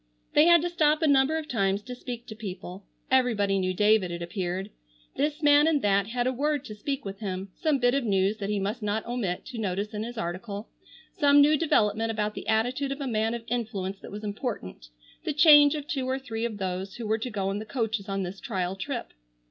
They had to stop a number of times to speak to people. Everybody knew David, it appeared. This man and that had a word to speak with him, some bit of news that he must not omit to notice in his article, some new development about the attitude of a man of influence that was important; the change of two or three of those who were to go in the coaches on this trial trip.